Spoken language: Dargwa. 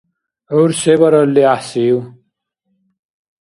Гӏур се баралли гӏяхӏсив?